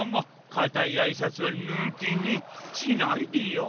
かたいあいさつはぬきにしないでよ。